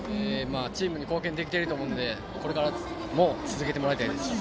チームに貢献できていると思うのでこれからも続けてほしいです。